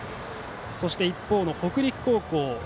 そして、一方の北陸高校。